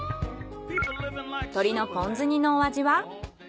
鶏のポン酢煮のお味は？